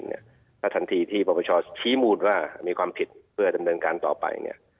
ถ้าทันทีที่ปรปชชี้มูลว่ามีความผิดเพื่อดำเนินการต่อไป